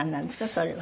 それは。